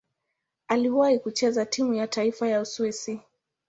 Aliwahi kucheza timu ya taifa ya Uswisi.